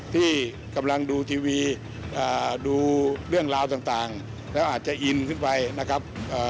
ที่กำลังดูทีวีดูเรื่องราวต่างแล้วอาจจะอินขึ้นไปนะครับ